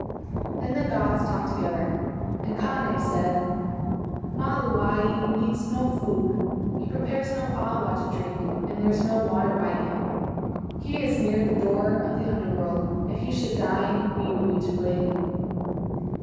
Then the gods talked together, and Kane said: "Maluae eats no food, he prepares no awa to drink, and there is no water by him. He is near the door of the Under world. If he should die, we would be to blame."